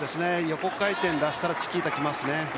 横回転出したらチキータ来ますね。